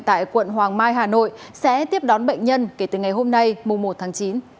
tại quận hoàng mai hà nội sẽ tiếp đón bệnh nhân kể từ ngày hôm nay mùa một tháng chín